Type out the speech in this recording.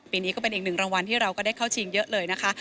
นี้ก็เป็นอีกหนึ่งรางวัลที่เราก็ได้เข้าชิงเยอะเลยนะคะ